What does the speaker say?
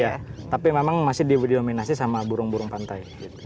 ya tapi memang masih didominasi sama burung burung pantai